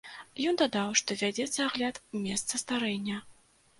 Ён дадаў, што вядзецца агляд месца здарэння.